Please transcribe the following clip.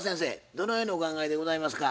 どのようにお考えでございますか？